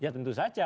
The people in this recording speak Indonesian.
ya tentu saja